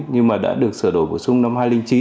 nhưng mà đã được sửa đổi bổ sung năm hai nghìn chín